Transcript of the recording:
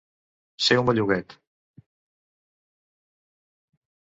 Ser un belluguet.